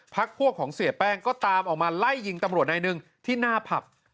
พักพวกของเสียแป้งก็ตามออกมาไล่ยิงตำรวจนายหนึ่งที่หน้าผับ